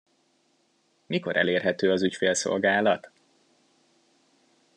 Mikor elérhető az ügyfélszolgálat?